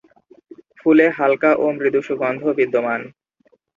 ফুলে হালকা ও মৃদু সুগন্ধ বিদ্যমান।